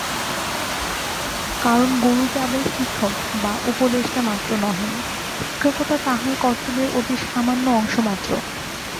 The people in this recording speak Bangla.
কারণ গুরু কেবল শিক্ষক বা উপদেষ্টামাত্র নহেন, শিক্ষকতা তাঁহার কর্তব্যের অতি সামান্য অংশমাত্র।